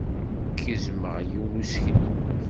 Gezmeɣ yiwen n useklu.